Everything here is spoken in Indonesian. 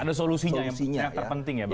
ada solusinya yang terpenting ya